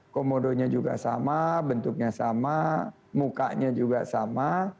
komodonya juga sama bentuknya sama mukanya juga sama